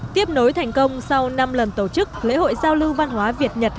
tiếp nối thành công sau năm lần tổ chức lễ hội giao lưu văn hóa việt nhật hai nghìn một mươi chín